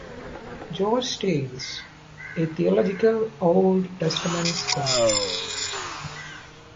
Georg Steins: “”A theological Old Testament scholar.